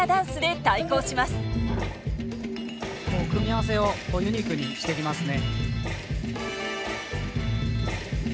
組み合わせをユニークにしてきますね。